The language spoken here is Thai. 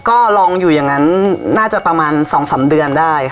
ก็ลองอยู่อย่างงั้นน่าจะประมาณสองสามเดือนได้